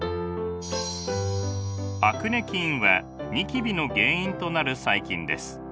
アクネ菌はニキビの原因となる細菌です。